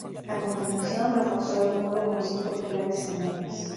A continuación, reforzó el muro con cinco pilares enormes.